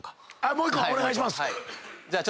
もう１個お願いします。